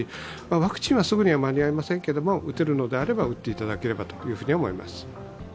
ワクチンはすぐには間に合いませんけれども、打てるのであれば打っていただければと思います。